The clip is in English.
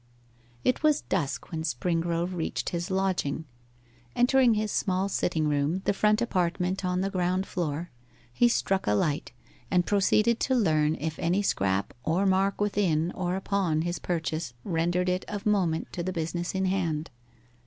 It was dusk when Springrove reached his lodging. Entering his small sitting room, the front apartment on the ground floor, he struck a light, and proceeded to learn if any scrap or mark within or upon his purchase rendered it of moment to the business in hand.